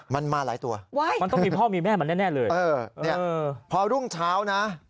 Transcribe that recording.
มันมาหลายตัวมันต้องมีพ่อมีแม่มันแน่เลยพอรุ่งเช้านะ